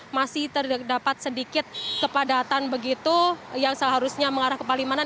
masih terdapat sedikit kepadatan begitu yang seharusnya mengarah ke palimanan